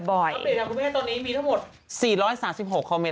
อัปเดตของคุณแม่ตอนนี้มีทั้งหมด๔๓๖คอมเมตร